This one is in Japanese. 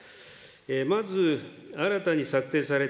まず新たに策定された